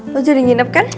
lo jadi nginep kan